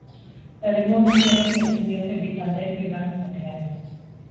Erritmo biziarekin ekin diote bi taldeek bigarren zatiari.